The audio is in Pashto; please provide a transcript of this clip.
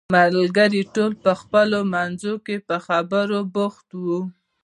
ملګري ټول په خپلو منځو کې په خبرو بوخت وو.